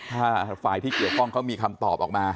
ถ้าฝ่ายที่เกี่ยวข้องเขามีคำตอบออกมา